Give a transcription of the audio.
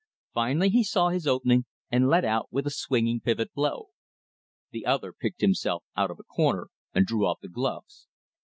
Finally he saw his opening and let out with a swinging pivot blow. The other picked himself out of a corner, and drew off the gloves.